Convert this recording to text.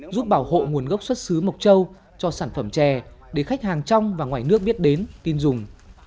giúp bảo hộ nguồn gốc xuất xứ mộc châu cho sản phẩm chè để khách hàng trong và ngoài nước biết đến tin dùng